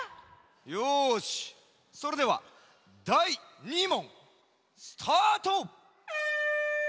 よしそれではだい２もんスタート！